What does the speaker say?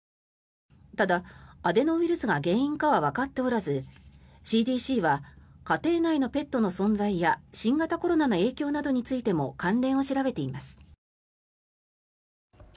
ただ、アデノウイルスが原因かはわかっておらずＣＤＣは家庭内のペットの存在や新型コロナの影響などについても関連を調べています。